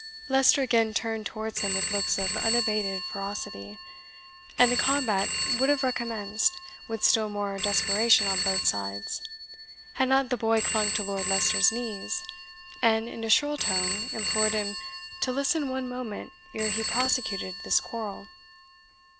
Leicester again turned towards him with looks of unabated ferocity, and the combat would have recommenced with still more desperation on both sides, had not the boy clung to Lord Leicester's knees, and in a shrill tone implored him to listen one moment ere he prosecuted this quarrel.